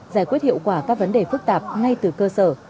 giải quyết hiệu quả các vấn đề phức tạp ngay từ cơ sở